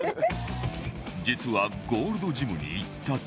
実はゴールドジムに行った時